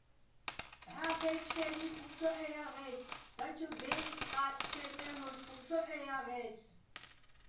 ბჵა ფე́ჩფე́ნიხ ხუმ ცო ჺეჲაღე́ს, დაჩო დე́ნი ტყაწ ჩაჲ მე́ლ'ოშ ხუმ ცო ჺეჲაღე́ს.